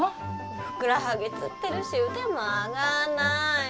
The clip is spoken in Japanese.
ふくらはぎつってるし腕も上がんない！